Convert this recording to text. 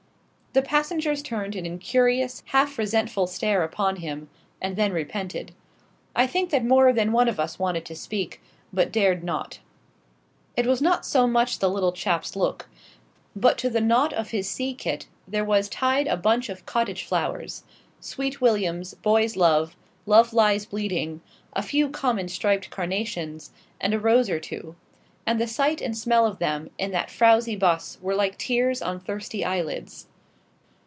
The passengers turned an incurious, half resentful stare upon him, and then repented. I think that more than one of us wanted to speak, but dared not. It was not so much the little chap's look. But to the knot of his sea kit there was tied a bunch of cottage flowers sweet williams, boy's love, love lies bleeding, a few common striped carnations, and a rose or two and the sight and smell of them in that frowsy 'bus were like tears on thirsty eyelids.